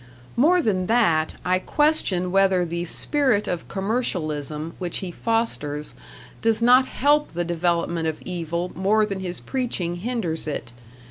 More than that, I question whether the spirit of commercialism which he fosters does not help the development of evil more than his preaching hinders it.